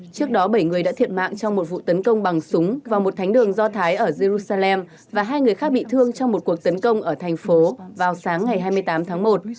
trước đó bảy người đã thiệt mạng trong một vụ tấn công bằng súng vào một thánh đường do thái ở jerusalem và hai người khác bị thương trong một cuộc tấn công ở thành phố vào sáng ngày hai mươi tám tháng một